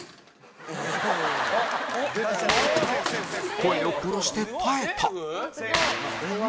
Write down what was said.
声を殺して耐えた